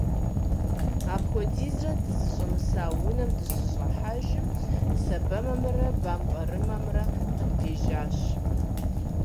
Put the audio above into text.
Апхуэдизрэ дызыщӏэмыса унэм дыщыщӏыхьэжым сабэмэмрэ бампӏэрымэмрэ къытпежьащ.